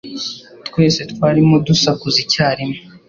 Twese twarimo dusakuza icyarimwe.